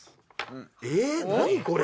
え何これ？